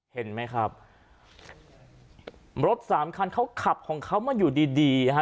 เห็นไหมครับรถสามคันเขาขับของเขามาอยู่ดีดีนะฮะ